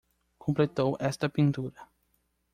Completou esta pintura